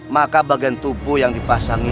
maka bagian tubuh yang dipasangi